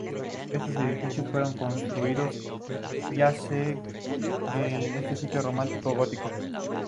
Estos edificios fueron construidos ya sea en estilo románico o gótico.